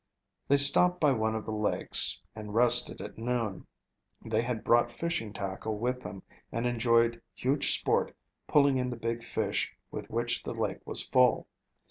They stopped by one of the lakes and rested at noon. They had brought fishing tackle with them and enjoyed huge sport pulling in the big fish with which the lake was full.